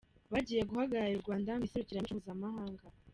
Bagiye guhagararira u Rwanda mu iserukiramuco mpuzamahanga.